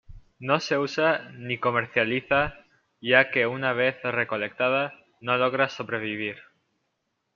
No se usa ni comercializa ya que una vez recolectada no logra sobrevivir.